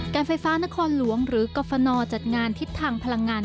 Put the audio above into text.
การไฟฟ้านครหลวงหรือกรฟนจัดงานทิศทางพลังงาน